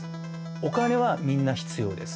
お金はみんな必要です。